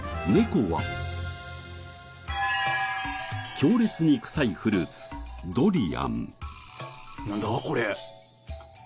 強烈に臭いフルーツドリアン。